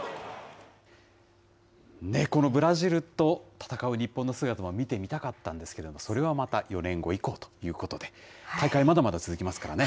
このブラジルと戦う日本の姿も見てみたかったんですけど、それはまた４年後以降ということで、大会、まだまだ続きますからね。